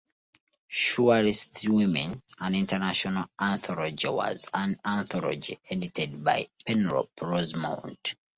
Surrealist Women: An International Anthology was an anthology edited by Penelope Rosemont.